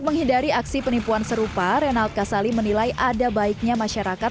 menghindari aksi penipuan serupa renald kasali menilai ada baiknya masyarakat